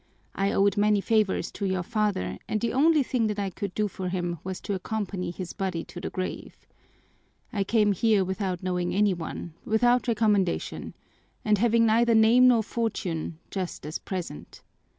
I owed many favors to your father, and the only thing that I could do for him was to accompany his body to the grave. I came here without knowing any one, without recommendation, and having neither name nor fortune, just as at present.